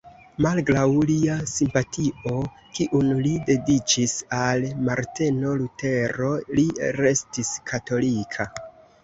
Malgraŭ lia simpatio kiun li dediĉis al Marteno Lutero, li restis katolika.